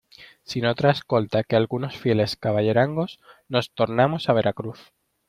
sin otra escolta que algunos fieles caballerangos, nos tornamos a Veracruz.